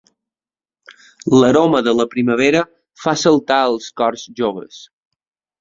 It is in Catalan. L'aroma de la primavera fa saltar els cors joves.